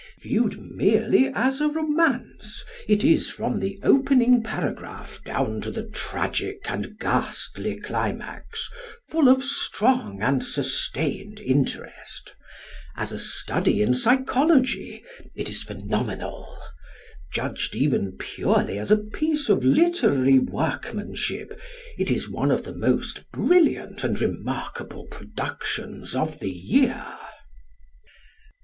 Viewed merely as a romance, it is from the opening paragraph down to the tragic and ghastly climax, full of strong and sustained interest; as a study in psychology it is phenomenal; judged even purely as a piece of literary workmanship it is one of the most brilliant and remarkable productions of the year.